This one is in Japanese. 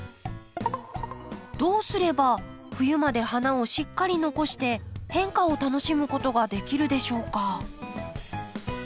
どうすれば冬まで花をしっかり残して変化を楽しむことができるでしょうか？